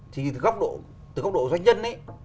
thì từ góc độ doanh nhân